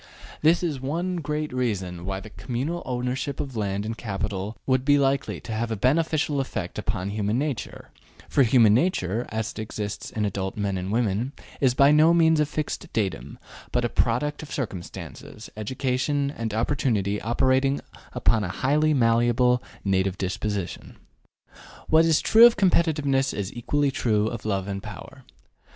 This is one great reason why the communal ownership of land and capital would be likely to have a beneficial effect upon human nature, for human nature, as it exists in adult men and women, is by no means a fixed datum, but a product of circumstances, education and opportunity operating upon a highly malleable native disposition. What is true of competitiveness is equally true of love of power.